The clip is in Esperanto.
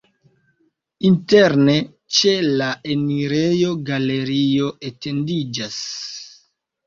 Interne ĉe la enirejo galerio etendiĝas.